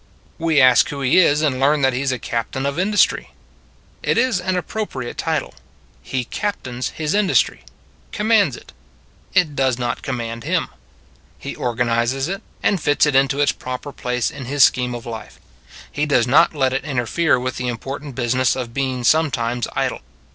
We ask who he is, and learn that he is a Captain of Industry. It is an appropriate title. He captains his industry commands it: it does not command him. He organizes it, and fits it into its proper place in his scheme of Are You Industrious? 67 life. He does not let it interfere with the important business of being sometimes idle.